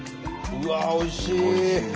うわおいしい！